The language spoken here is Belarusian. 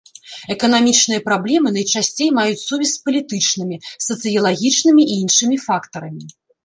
Эканамічныя праблемы найчасцей маюць сувязь с палітычнымі, сацыялагічнымі і іншымі фактарамі.